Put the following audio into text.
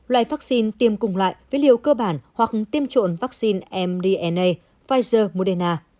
loại vaccine tiêm cùng lại với liều cơ bản hoặc tiêm trộn vaccine mdna pfizer moderna